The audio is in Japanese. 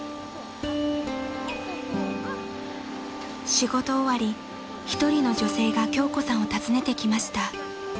［仕事終わり一人の女性が京子さんを訪ねてきました］